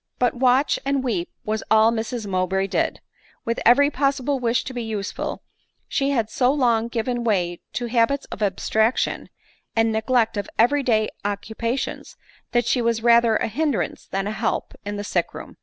But watch and weep was aU Mrs Mowbray did ; with every possible wish to be useful, she had so long given way to habits of abstraction, and neglect of every day occu pations, that she was rather a hindrance than a help in the sick room.